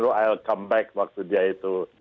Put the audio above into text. i'll come back waktu dia itu